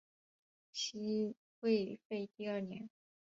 西魏废帝二年。